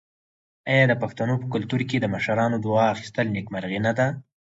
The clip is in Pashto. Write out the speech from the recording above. آیا د پښتنو په کلتور کې د مشرانو دعا اخیستل نیکمرغي نه ده؟